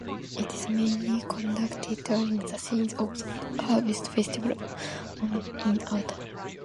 It is mainly conducted during the season of the harvest festival Onam in autumn.